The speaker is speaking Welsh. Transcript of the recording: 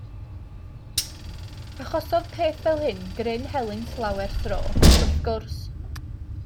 Achosodd peth fel hyn gryn helynt lawer tro, wrth gwrs.